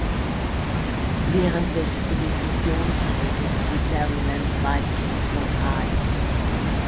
Während des Sezessionskrieges blieb Maryland weitgehend neutral.